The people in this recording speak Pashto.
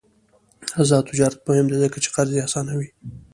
آزاد تجارت مهم دی ځکه چې قرضې اسانوي.